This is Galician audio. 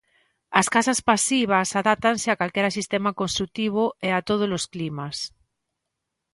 As casas pasivas adáptanse a calquera sistema construtivo e a todos os climas.